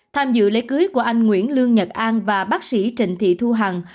tham dự lễ cưới của anh nguyễn lương nhật an và bác sĩ trịnh thị thu hằng